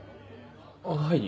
はい。